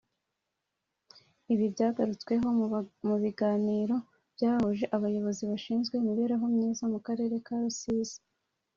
Ibi byagarutsweho mu biganiro byahuje abayobozi bashinzwe imibereho myiza mu Karere ka Rusizi